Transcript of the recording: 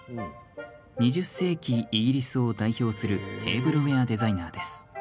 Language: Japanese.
２０世紀、イギリスを代表するテーブルウエアデザイナーです。